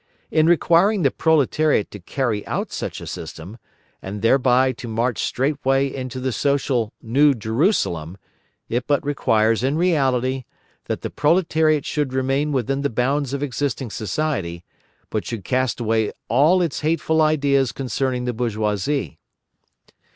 In requiring the proletariat to carry out such a system, and thereby to march straightway into the social New Jerusalem, it but requires in reality, that the proletariat should remain within the bounds of existing society, but should cast away all its hateful ideas concerning the bourgeoisie.